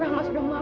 ampun ibu rasa